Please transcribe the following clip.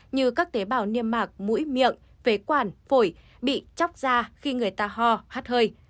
như các tế bào niêm mạc mũi miệng phế quản phổi bị chóc da khi người ta ho hát hơi